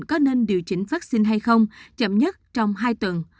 có nên điều chỉnh vaccine hay không chậm nhất trong hai tuần